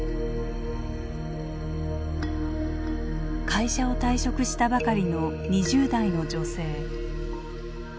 会社を退職したばかりの２０代の女性。